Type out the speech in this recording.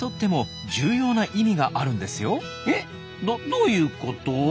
どどういうこと？